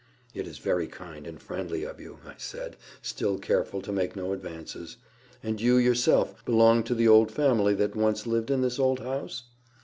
"It is very kind and friendly of you," I said, still careful to make no advances. "And you yourself belong to the old family that once lived in this old house?"